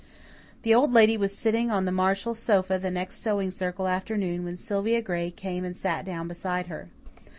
The Old Lady was sitting on the Marshall sofa the next Sewing Circle afternoon when Sylvia Gray came and sat down beside her.